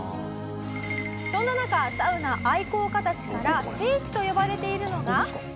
そんな中サウナ愛好家たちから聖地と呼ばれているのが。